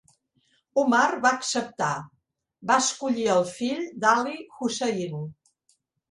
Umar va acceptar; va escollir el fill d"Ali, Husayn.